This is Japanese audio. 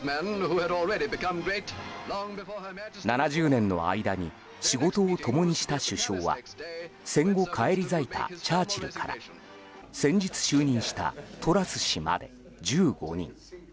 ７０年の間に仕事を共にした首相は戦後返り咲いたチャーチルから先日就任したトラス氏まで１５人。